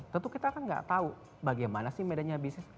tentu kita kan gak tahu bagaimana sih medenya bisnis